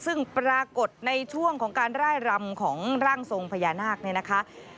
ซึ่งปรากฏในช่วงของการร่ายรำของร่างทรงพญานาคเนี่ยนะคะ